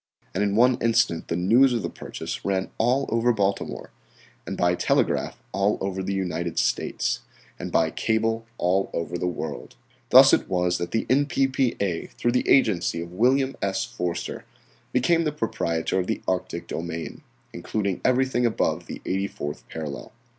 And in one instant the news of the purchase ran all over Baltimore, and by telegraph all over the United States, and by cable all over the Old World. Thus it was that the N.P.P.A. through the agency of William S. Forster, became the proprietor of the Arctic domain, including everything above the eighty fourth parallel.